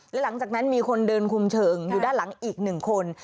และหลังจากนั้นมีคนเดินคุมเชิงอยู่ด้านหลังอีก๑คน